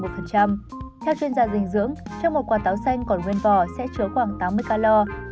theo chuyên gia dinh dưỡng trong một quả táo xanh còn nguyên vỏ sẽ chứa khoảng tám mươi calor